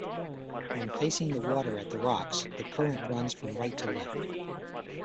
When facing the water at the rocks the current runs from right to left.